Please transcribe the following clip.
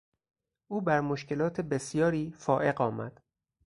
او بر مشکلات بسیاری فائق آمد.